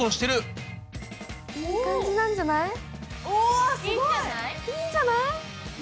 おすごい！いいんじゃない？